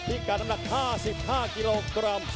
พิการนำ๕๕กิโลกรัม